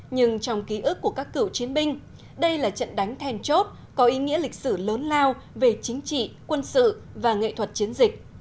nhưng trong ký ức của các cựu chiến binh đây là trận đánh thèn chốt có ý nghĩa lịch sử lớn lao về chính trị quân sự và nghệ thuật chiến dịch